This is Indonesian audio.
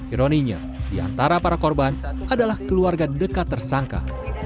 ironinya di antara para korban adalah keluarga dekat tersangka